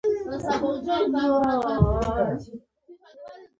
مینې له دې واده څخه وېره لرله